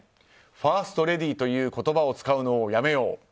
ファーストレディーという言葉を使うのをやめよう。